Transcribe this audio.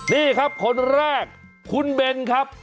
นี่ครับคนแรกคุณเบนครับ